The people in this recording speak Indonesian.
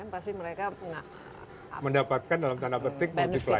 pasti mereka mendapatkan dalam tanda petik multiplay